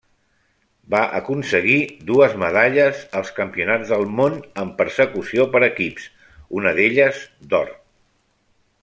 Va aconseguir dues medalles als Campionats del Món en persecució per equips, una d'elles d'or.